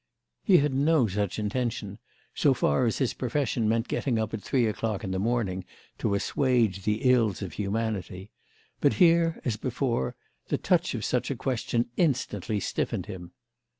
He had no such intention, so far as his profession meant getting up at three o'clock in the morning to assuage the ills of humanity; but here, as before, the touch of such a question instantly stiffened him.